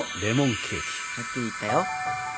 はっきり言ったよ！